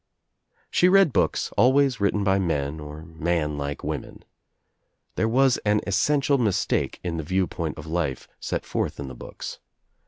She read books — always written by men or by man like women. There was an essential mistake in the viewpoint of Ufe set forth in the books.